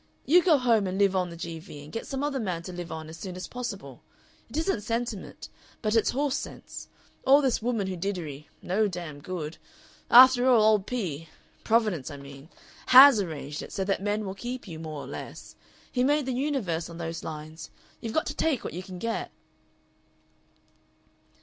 You go home and live on the G.V., and get some other man to live on as soon as possible. It isn't sentiment but it's horse sense. All this Woman who Diddery no damn good. After all, old P. Providence, I mean HAS arranged it so that men will keep you, more or less. He made the universe on those lines. You've got to take what you can get."